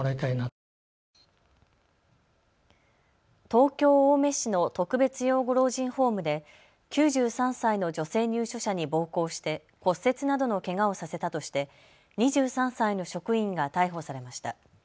東京青梅市の特別養護老人ホームで９３歳の女性入所者に暴行して骨折などのけがをさせたとして２３歳の職員が逮捕されました。